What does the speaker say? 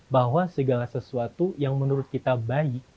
bahwa segala sesuatu yang menurut kita baik